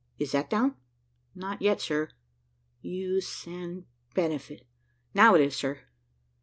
Is that down?" "Not yet, sir `use and benefit.' Now it is, sir."